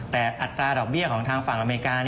แต่อัตราดอกเบี้ยของทางฝั่งอเมริกา